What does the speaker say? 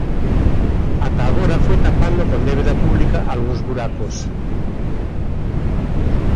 Ata agora foi tapando con débeda pública algúns buracos.